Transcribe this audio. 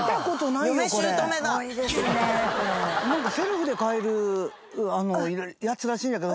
なんかセルフで買えるやつらしいんだけど。